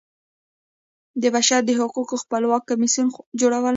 د بشر د حقوقو خپلواک کمیسیون جوړول.